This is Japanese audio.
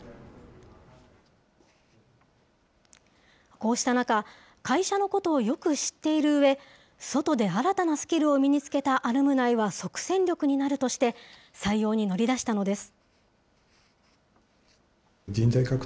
こうした中、会社のことをよく知っているうえ、外で新たなスキルを身につけたアルムナイは即戦力になるとして、採用に乗り出したのです。